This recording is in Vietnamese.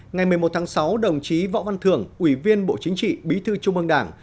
ngày một mươi một tháng sáu đồng chí võ văn thưởng ủy viên bộ chính trị bí thư trung ương đảng